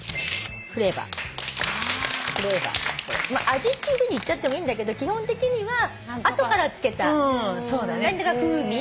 味っていうふうに言っちゃってもいいんだけど基本的には後からつけた何とか風味。